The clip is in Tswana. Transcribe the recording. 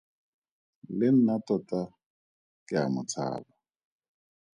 Le nna tota ke a mo tshaba.